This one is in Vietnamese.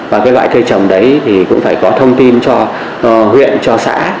và cái loại cây trồng đấy thì cũng phải có thông tin cho huyện cho xã